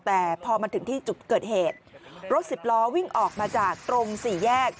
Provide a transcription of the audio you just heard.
แต่พอมาถึงที่จุดเกิดเหตุรถสิบล้อวิ่งออกมาจากตรงสี่แยก